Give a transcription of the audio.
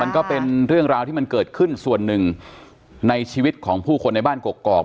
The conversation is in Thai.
ก็เป็นเรื่องราวที่มันเกิดขึ้นส่วนหนึ่งในชีวิตของผู้คนในบ้านกกอก